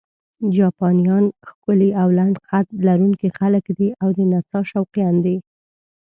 جاپانیان ښکلي او لنډ قد لرونکي خلک دي او د نڅا شوقیان دي.